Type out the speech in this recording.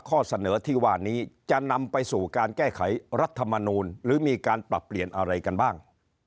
ข้อเสนอที่ว่านี้จะนำไปสู่การแก้ไขรัฐมนูลหรือมีการปรับเปลี่ยนอะไรกันบ้าง